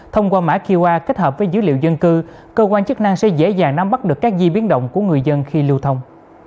thông qua mã qr kết hợp với dữ liệu dân cư cơ quan chức năng sẽ dễ dàng nắm bắt được các di biến động của người dân khi lưu thông